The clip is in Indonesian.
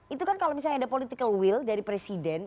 itu kan kalau misalnya ada political will dari presiden